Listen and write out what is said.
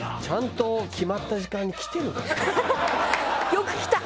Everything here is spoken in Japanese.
よく来た！